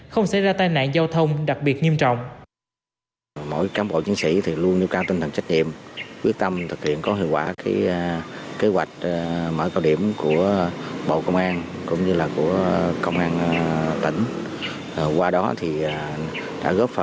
không xảy ra tai nạn giao thông đặc biệt nghiêm trọng